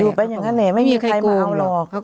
อยู่ไปอย่างนั้นเนี่ยไม่มีใครมาเอาหรอก